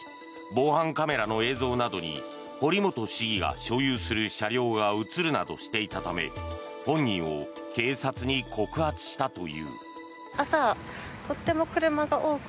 防犯カメラの映像などに堀本市議が所有する車両が映るなどしていたため本人を警察に告発したという。